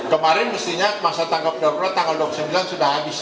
kemarin mestinya masa tanggap darurat tanggal dua puluh sembilan sudah habis